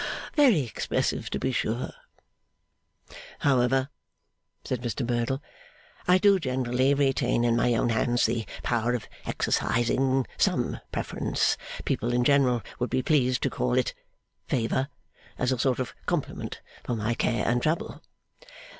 Very expressive to be sure! 'However,' said Mr Merdle, 'I do generally retain in my own hands the power of exercising some preference people in general would be pleased to call it favour as a sort of compliment for my care and trouble.